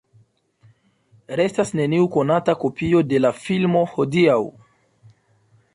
Restas neniu konata kopio de la filmo hodiaŭ.